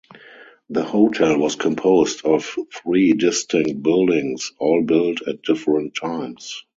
The hotel was composed of three distinct buildings all built at different times.